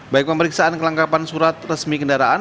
baik pemeriksaan kelengkapan surat resmi kendaraan